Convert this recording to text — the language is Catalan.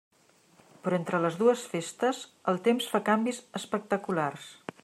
Però entre les dues festes el temps fa canvis espectaculars.